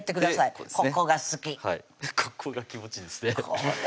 これが気持ちいいんです